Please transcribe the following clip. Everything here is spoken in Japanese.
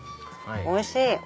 おいしい。